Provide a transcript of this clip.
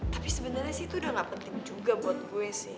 tapi sebenarnya sih itu udah gak penting juga buat gue sih